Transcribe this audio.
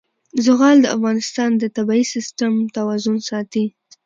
زغال د افغانستان د طبعي سیسټم توازن ساتي.